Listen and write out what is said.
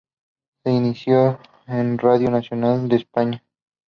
Se inició en Radio Nacional de España.